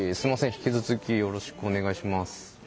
引き続きよろしくお願いします。